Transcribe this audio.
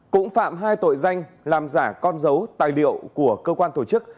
cũng phạm hai tội danh làm giả con dấu tài liệu của cơ quan tổ chức